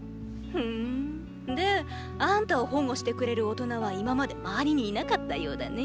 ふぅんであんたを保護してくれる大人は今まで周りにいなかったようだね。